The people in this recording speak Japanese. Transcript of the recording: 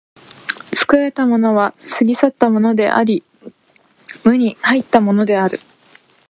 作られたものは過ぎ去ったものであり、無に入ったものである。